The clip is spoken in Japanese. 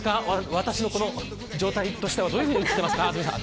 私の状態としてはどういうふうに映ってますか？